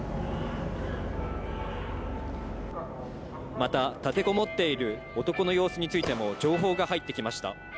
また、立てこもっている男の様子についても情報が入ってきました。